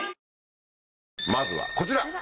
まずはこちら！